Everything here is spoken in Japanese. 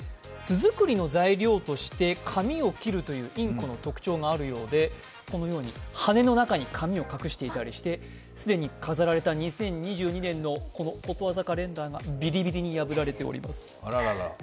巣作りの材料として紙を切るというインコの特徴があるようでこのように羽の中に紙を隠したりしていて既に飾られた２０２２年のことわざカレンダーがビリビリに破られています。